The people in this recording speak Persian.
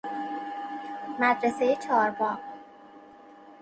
مدرسه چهارباغ